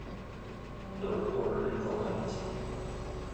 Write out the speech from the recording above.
The reporter declines.